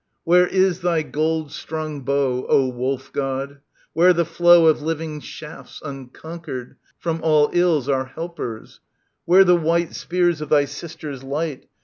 Where is thy gold strung bow, O Wolf god, where the flow Of living shafts unconquered, from all ills Our helpers ? Where the white Spears of thy Sister's light.